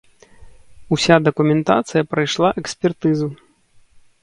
Уся дакументацыя прайшла экспертызу.